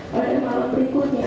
pada malam berikutnya